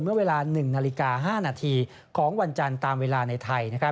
เมื่อเวลา๑นาฬิกา๕นาทีของวันจันทร์ตามเวลาในไทย